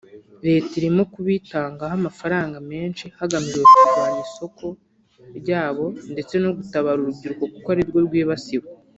Leta irimo kubitangaho amafaranga menshi hagamijwe kurwanya isoko ryabyo ndetse no gutabara urubyiruko kuko arirwo rwibasiwe